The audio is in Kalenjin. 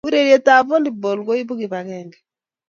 ureriet ap valiboli koipu kipakenge